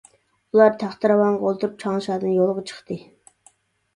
ئۇلار تەختىراۋانغا ئولتۇرۇپ چاڭشادىن يولغا چىقتى.